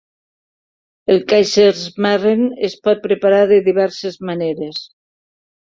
El kaiserschmarren es pot preparar de diverses maneres.